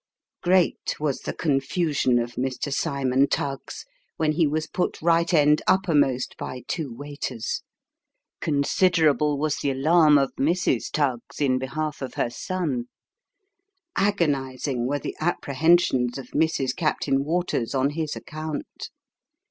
Great was the confusion of Mr. Cymon Tuggs, when he was put, right end uppermost, by two waiters ; considerable was the alarm of Mrs. Tuggs in behalf of her son ; agonizing were the apprehensions of Mrs. Captain Waters on his account.